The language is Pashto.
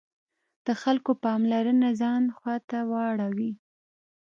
د خلکو پاملرنه ځان خواته واړوي.